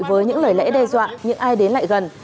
với những lời lẽ đe dọa những ai đến lại gần